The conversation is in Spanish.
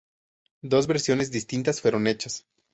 Dos versiones distintas fueron hechas.